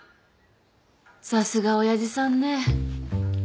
さすが親父さんね